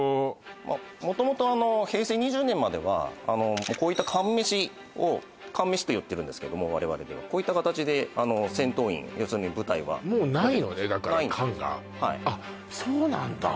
元々平成２０年まではこういった缶飯を缶飯と言ってるんですけども我々ではこういった形で戦闘員要するに部隊はもうないのねだから缶がはいあっそうなんだ